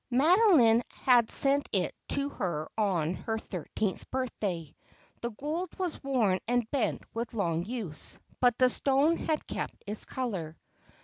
Madoline had sent it to her on her thirteenth birth day. The gold was worn and bent with long use, but the stone had kept its colour.